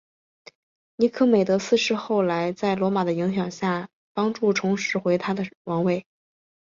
尼科美德四世后来在罗马的影响力帮助下重拾回他的王位。